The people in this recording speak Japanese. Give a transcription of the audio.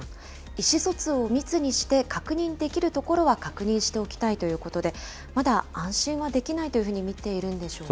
意思疎通を密にして、確認できるところは確認しておきたいということで、まだ、安心はできないというふうに見ているんでしょうか。